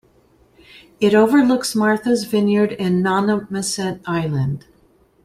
It overlooks Martha's Vineyard and Nonamesset Island.